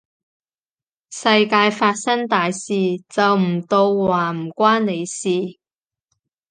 世界發生大事，就唔到話唔關你事